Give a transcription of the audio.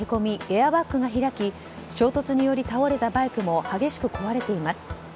エアバッグが開き衝突により倒れたバイクも激しく壊れています。